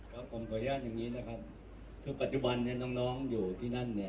ขออนุญาตอย่างนี้นะครับคือปัจจุบันเนี่ยน้องน้องอยู่ที่นั่นเนี่ย